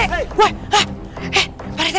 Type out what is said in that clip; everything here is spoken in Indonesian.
eh pak rete